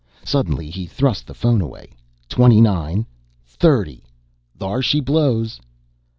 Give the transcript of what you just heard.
Suddenly he thrust the phone away. "Twenty nine ... thirty ... Thar she blows!"